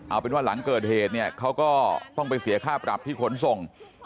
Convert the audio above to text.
เอาเป็นว่าหลังเกิดเหตุเนี่ยเขาก็ต้องไปเสียค่าปรับที่ขนส่ง